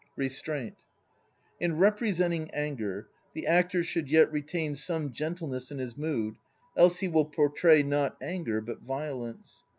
RESTRAINT In representing anger the actor should yet retain some gentleness in his mood, else he will portray not anger but violence.